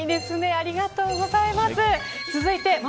ありがとうございます。